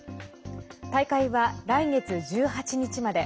大会は来月１８日まで。